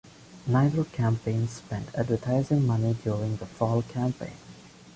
Neither campaign spent advertising money during the fall campaign.